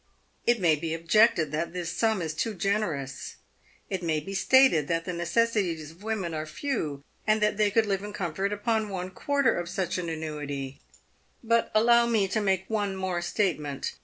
It may be objected that this sum is too generous. It may be stated that the necessities of women are few, and that they could live in comfort upon one quarter of such an annuity ; but allow me to make one more state ment.